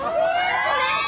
ねえ！